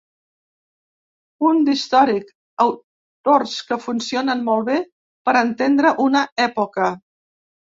Un d’històric, autors que funcionen molt bé per entendre una època.